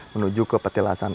menuju ke petilasan